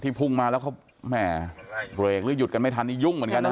ที่พุ่งมาแล้วเขาแหม่ตัวเองลืมหยุดกันไม่ทันยุ่งเหมือนกันนะครับ